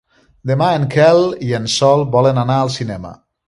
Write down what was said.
Demà en Quel i en Sol volen anar al cinema.